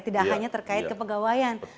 tidak hanya terkait ke penggawaian